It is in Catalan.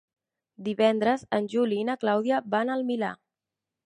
Divendres en Juli i na Clàudia van al Milà.